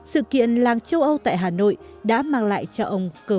sự kiện làng châu âu tại hà nội đã mang lại cho ông vui vẻ